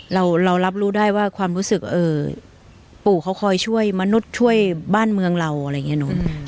เรารับรู้ได้ว่าความรู้สึกปู่เขาคอยช่วยมนุษย์ช่วยบ้านเมืองเราอะไรอย่างนี้เนอะ